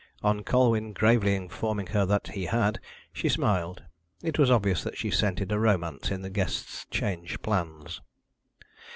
On Colwyn gravely informing her that he had, she smiled. It was obvious that she scented a romance in the guest's changed plans.